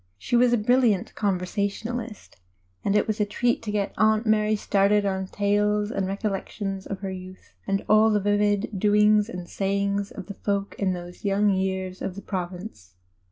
She was a brilliant conversationalist, and it was a treat to get Aunt Mary started on tales and recollections of her youth, and alt the vivid doings and sayings, of the folk in those young years of the Province.